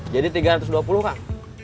jadi tiga ratus dua puluh kan